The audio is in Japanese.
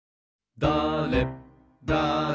だれだれ！